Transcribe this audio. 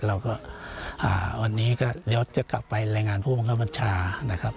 เราก็วันนี้ก็ยศจะกลับไปรายงานผู้บังคับบัญชานะครับ